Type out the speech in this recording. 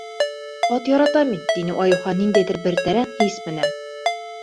— Ат яратам мин, — тине Айыухан ниндәйҙер бер тәрән хис менән.